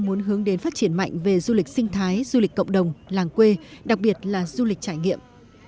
muốn hướng đến phát triển mạnh về du lịch sinh thái du lịch cộng đồng làng quê đặc biệt là du lịch trải nghiệm